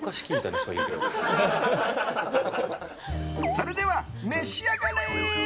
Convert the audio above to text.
それでは召し上がれ。